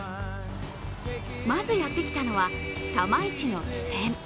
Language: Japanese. まずやってきたのはタマイチの起点。